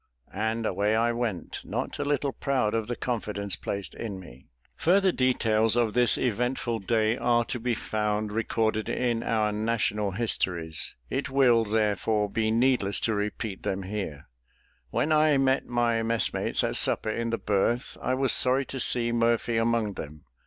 and away I went, not a little proud of the confidence placed in me. Further details of this eventful day are to be found recorded in our national histories; it will, therefore, be needless to repeat them here. When I met my messmates at supper in the berth, I was sorry to see Murphy among them.